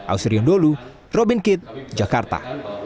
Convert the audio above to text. ausri undolu robin kitt jakarta